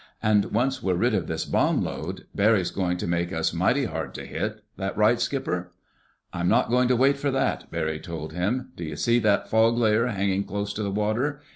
And once we're rid of this bomb load, Barry's going to make us mighty hard to hit. That right, Skipper?" "I'm not going to wait for that," Barry told him. "Do you see that fog layer hanging close to the water?